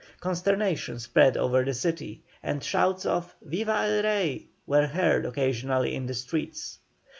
Consternation spread over the city, and shouts of "Viva el Rey!" were heard occasionally in the streets.